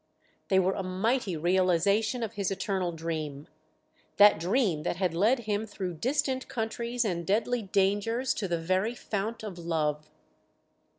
They were a mighty realization of his eternal dream that dream that had led him through distant countries and deadly dangers to the very fount of love.